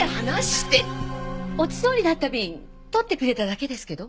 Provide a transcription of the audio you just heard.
落ちそうになった瓶取ってくれただけですけど。